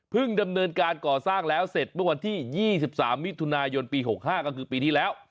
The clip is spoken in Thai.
ดำเนินการก่อสร้างแล้วเสร็จเมื่อวันที่๒๓มิถุนายนปี๖๕ก็คือปีที่แล้ว